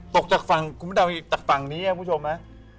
ตกจากฝั่งคุณพระนาวิทย์จากฝั่งนี้ฮะผู้ชมฮะ